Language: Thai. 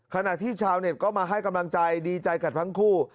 ขณะที่ชาวเน็ตก็มาให้กำลังใจดีใจกับทั้งคู่